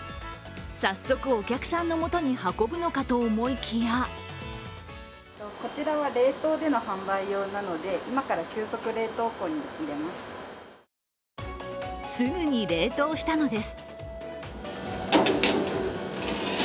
早速、お客さんのもとに運ぶのかと思いきやすぐに冷凍したのです。